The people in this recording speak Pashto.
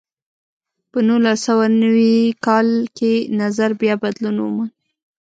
په نولس سوه نوي کال کې نظر بیا بدلون وموند.